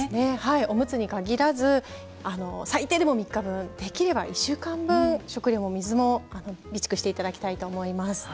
おむつに限らず最低でも３日分できれば１週間分、食料も水も備蓄していただきたいと思います。